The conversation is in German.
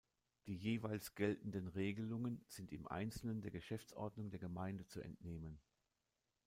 Die jeweils geltenden Regelungen sind im Einzelnen der Geschäftsordnung der Gemeinde zu entnehmen.